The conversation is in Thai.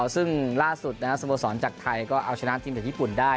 ซึ่งล่าสุดสโมสรจากไทยก็เอาชนะทีมจากญี่ปุ่นได้